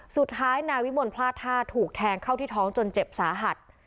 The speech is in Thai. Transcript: สุดท้ายนายวิมลพลาดท่าถูกแทงเข้าที่ท้องจนเจ็บสาหัส